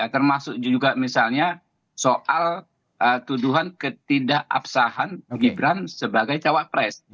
termasuk juga misalnya soal tuduhan ketidakapsahan gibran sebagai cawak pres